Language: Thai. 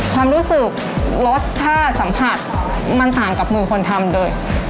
ความรู้สึกรสชาติสัมผัสมันต่างกับมือคนทำเลย